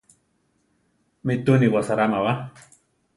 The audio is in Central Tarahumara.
Mi túu ni wasaráma ba.